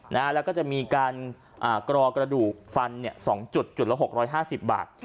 แล้วก็จะมีการกรอกระดูกฟัน๒จุดจุดละ๖๕๐บาท